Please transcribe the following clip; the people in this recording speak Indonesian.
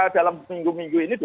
dalam minggu minggu ini